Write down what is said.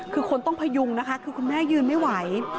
คือคนต้องพยุงนะคะคือคุณแม่ยืนไม่ไหว